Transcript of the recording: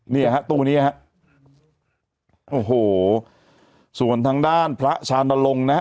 เนี่ยฮะตู้นี้ฮะโอ้โหส่วนทางด้านพระชานลงนะฮะ